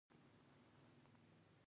د هر هغه څه هرکلی وکړه.